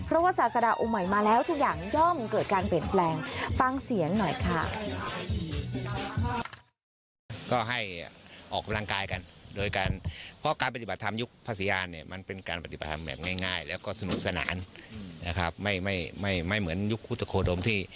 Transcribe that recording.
เพราะว่าศาสดาอุไหมมาแล้วทุกอย่างย่อมเกิดการเปลี่ยนแปลง